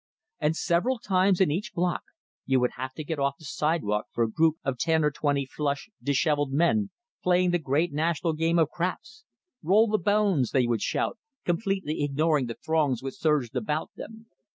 And several times in each block you would have to get off the sidewalk for a group of ten or twenty flushed, dishevelled men, playing the great national game of craps. "Roll the bones!" they would shout, completely ignoring the throngs which surged about them.